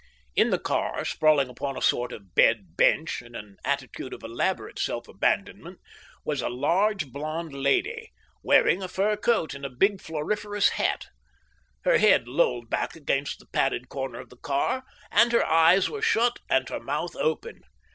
In the car, sprawling upon a sort of bed bench, in an attitude of elaborate self abandonment, was a large, blond lady, wearing a fur coat and a big floriferous hat. Her head lolled back against the padded corner of the car, and her eyes were shut and her mouth open.